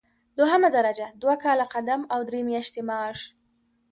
دوهمه درجه دوه کاله قدم او درې میاشتې معاش.